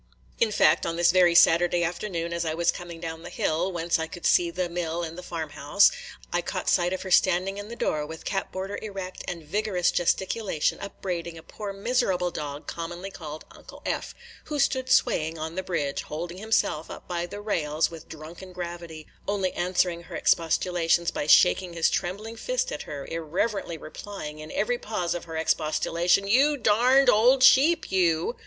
In fact, on this very Saturday afternoon, as I was coming down the hill, whence I could see the mill and farm house, I caught sight of her standing in the door, with cap border erect, and vigorous gesticulation, upbraiding a poor miserable dog commonly called Uncle Eph, who stood swaying on the bridge, holding himself up by the rails with drunken gravity, only answering her expostulations by shaking his trembling fist at her, irreverently replying in every pause of her expostulation, "You – darned – old sheep you!"